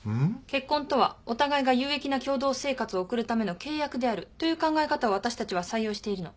結婚とはお互いが有益な共同生活を送るための契約であるという考え方を私たちは採用しているの。